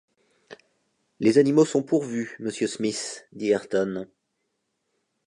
Les animaux sont pourvus, monsieur Smith, dit Ayrton.